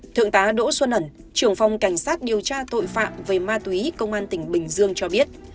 thượng tá đỗ xuân ẩn trưởng phòng cảnh sát điều tra tội phạm về ma túy công an tỉnh bình dương cho biết